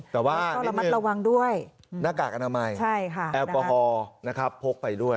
แต่ว่านี่มือนาฬิกากรรมัยใช่ค่ะแอลกอฮอล์นะครับพกไปด้วย